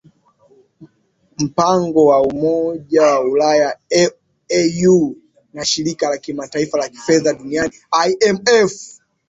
mpango wa umoja wa ulaya eu na shirika la kimataifa la fedha duniani imf